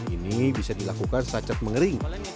ini bisa dilakukan secat mengering